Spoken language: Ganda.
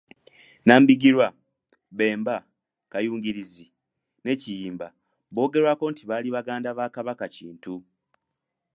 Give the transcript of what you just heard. Nambigirwa, Bemba, Kayungirizi ne Kiyimba boogerwako nti baali baganda ba Kabaka Kintu.